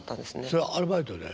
それはアルバイトで？